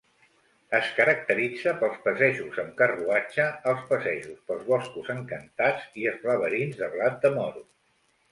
Es caracteritza pels passejos amb carruatge, els passejos pels boscos encantats i els laberints de blat de moro.